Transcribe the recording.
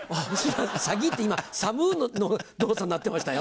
「サギ」って今「寒っ」の動作になってましたよ！